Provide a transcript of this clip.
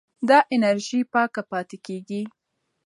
دا انرژي پاکه پاتې کېږي.